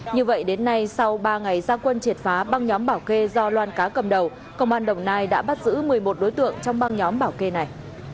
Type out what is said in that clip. như vậy đến nay sau ba ngày gia quân triệt phá băng nhóm bảo kê do loan cá cầm đầu công an đồng nai đã bắt giữ một mươi một đối tượng trong băng nhóm bảo kê này